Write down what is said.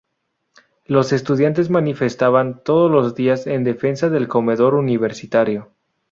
Los estudiantes manifestaban todos los días en defensa del comedor universitario.